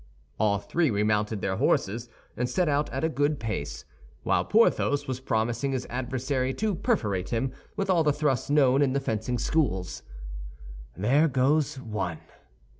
All three remounted their horses, and set out at a good pace, while Porthos was promising his adversary to perforate him with all the thrusts known in the fencing schools. "There goes one!"